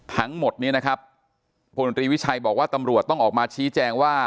ทั้งหมดนี้นะครับพลตรีวิชัยบอกว่าตำรวจต้องออกมาชี้แจงว่า